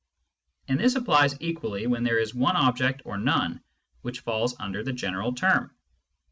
And this applies equally when there is one object or none which falls under the general term.